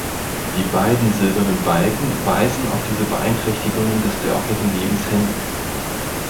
Die beiden silbernen Balken weisen auf diese Beeinträchtigungen des dörflichen Lebens hin.